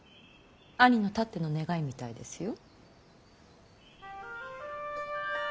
兄のたっての願いみたいですよ。